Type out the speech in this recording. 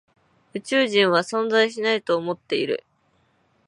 宇宙人は存在しないと思っている。